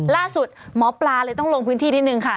ล่าสุดหมอปลาเลยต้องลงพื้นที่นิดนึงค่ะ